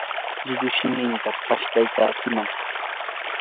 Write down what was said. lllullu shimintan pashtaykachinnam.